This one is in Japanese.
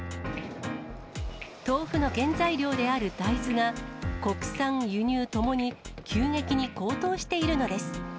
豆腐の原材料である大豆が、国産、輸入ともに急激に高騰しているのです。